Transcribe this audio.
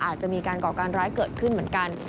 อาจจะมีการก่อการร้ายเกิดขึ้นเหมือนกัน